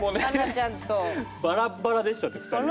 バラッバラでしたね２人ね。